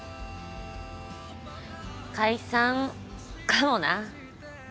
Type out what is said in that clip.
解散かもな。